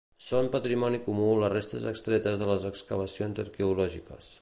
Són patrimoni comú les restes extretes de les excavacions arqueològiques.